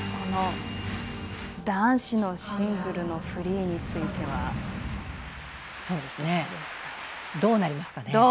男子のシングルのフリーについてはどうですかね。